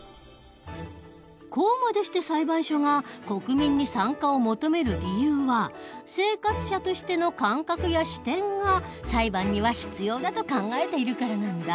こうまでして裁判所が国民に参加を求める理由は生活者として感覚や視点が裁判には必要だと考えているからなんだ。